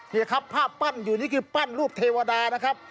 นี่ครับภาพปั้นอยู่นี่คือปั้นรูปเทวดานะครับ